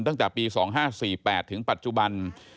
ตั้งแต่ปี๒๕๔๘ถึงปัจจุบัน